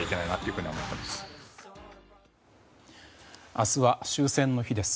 明日は、終戦の日です。